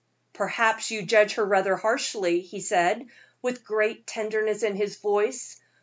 "Perhaps you judge her rather harshly," he said, with great tenderness in his voice.